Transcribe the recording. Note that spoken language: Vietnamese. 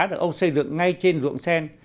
được ông xây dựng ngay trên ruộng sen